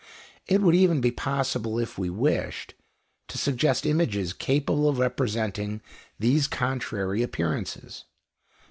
It would even be possible, if we wished, to suggest images capable of representing these contrary appearances.